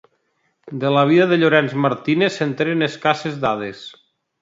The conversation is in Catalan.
De la vida de Llorenç Martínez se'n tenen escasses dades.